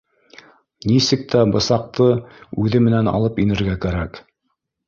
Нисек тә бысаҡты үҙе менән алып инергә кәрәк